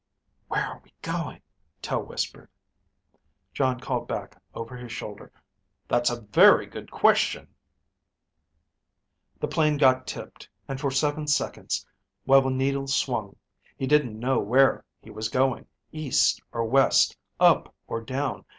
"Where are we going?" Tel whispered. Jon called back over his shoulder, "That's a very good question." The plane got tipped, and for seven seconds, while the needles swung, he didn't know where he was going, east or west, up or down.